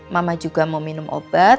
mama juga mau minum obat